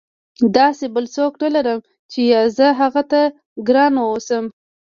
داسې بل څوک نه لرم چې یا زه هغه ته ګرانه واوسم.